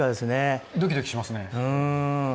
うん。